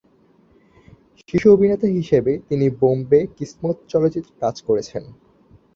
শিশু অভিনেতা হিসাবে, তিনি বোম্বে "কিসমত" চলচ্চিত্রে কাজ করেছেন।